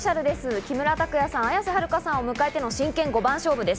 木村拓哉さん、綾瀬はるかさんを迎えての真剣５番勝負です。